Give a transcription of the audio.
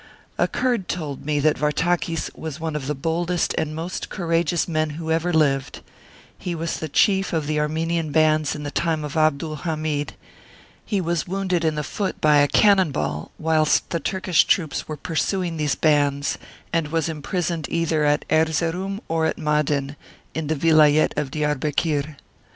A Kurd told me that Vartakis was one of the boldest and most courageous men who ever lived ; he was chief of the Armenian bands in the time of Abdul Hamid ; he was wounded in the foot by a cannon ball whilst the Turkish troops were pursuing these bands, and was imprisoned either at Erzeroum or at Maaden, in the Vilayet of Diarbekir.